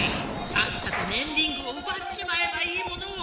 さっさとねんリングをうばっちまえばいいものを！